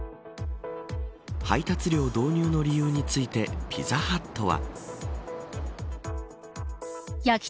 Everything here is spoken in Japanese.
配達料導入の理由についてピザハットは。